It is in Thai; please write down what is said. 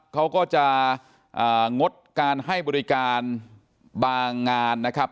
เขาก็จะงดการให้บริการบางงานนะครับ